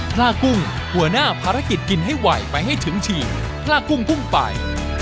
ลากุ้งหัวหน้าภารกิจกินให้ไวไปให้ถึงฉี่พลากุ้งพุ่งไป